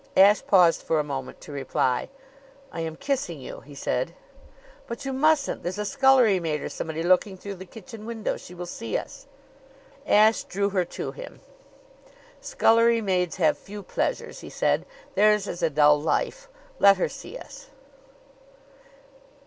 Ashe paused for a moment to reply. "I am kissing you," he said. "But you mustn't! There's a scullery maid or somebody looking through the kitchen window. She will see us." Ashe drew her to him. "Scullery maids have few pleasures," he said. "Theirs is a dull life. Let her see us."